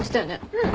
うん。